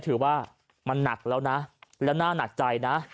ถือว่ามันหนักแล้วนะและน่าหนักใจนะ